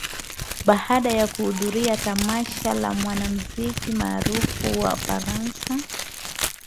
baada ya kuhudhuria tamasha la mwanamuziki maarufu wa Ufaransa